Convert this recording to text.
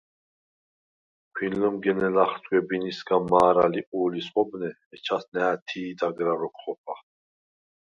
ქვინლჷმგენე ლახე სგვებინისგა მა̄რა ლიყუ̄ლის ხობნე, ეჯას ნა̄̈თი̄ დაგრა როქვ ხოხა.